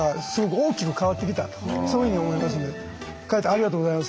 ありがとうございます。